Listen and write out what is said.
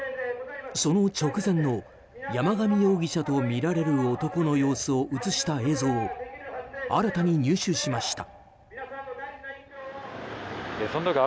その直前の山上容疑者とみられる男の様子を映した映像を新たに入手しました。